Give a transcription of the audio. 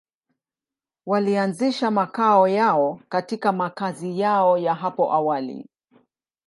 Walianzisha makao yao katika makazi yao ya hapo awali.